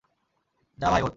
যা ভাই ওঠ।